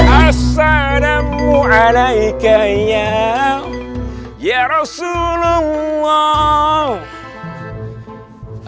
assalamu'alaika ya rasulullah